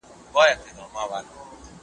څراغ د ملا له خوا بل شو.